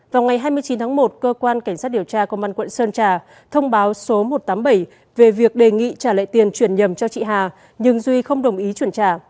vào ngày hai mươi chín tháng một cơ quan cảnh sát điều tra công an quận sơn trà thông báo số một trăm tám mươi bảy về việc đề nghị trả lại tiền chuyển nhầm cho chị hà nhưng duy không đồng ý chuyển trả